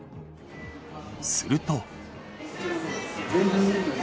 すると。